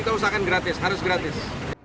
kita usahakan gratis harus gratis